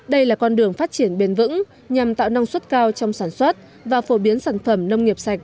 đây là con đường phát triển bền vững nhằm tạo năng suất cao trong sản xuất và phổ biến sản phẩm nông nghiệp sạch